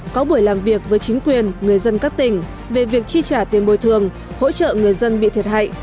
có buổi làm việc với chính quyền người dân các tỉnh về việc chi trả tiền bồi thường hỗ trợ người dân bị thiệt hại